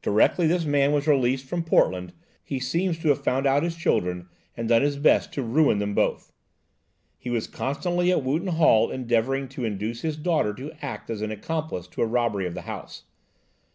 Directly this man was released from Portland, he seems to have found out his children and done his best to ruin them both. He was constantly at Wootton Hall endeavouring to induce his daughter to act as an accomplice to a robbery of the house.